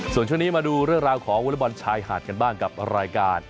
ส่วนช่วงนี้มาดูเรื่องราวของวอเล็กบอลชายหาดกันบ้างกับรายการ